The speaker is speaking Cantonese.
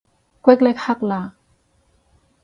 虢礫緙嘞